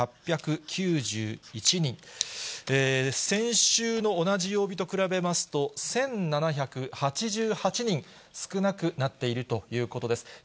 先週の同じ曜日と比べますと、１７８８人少なくなっているということです。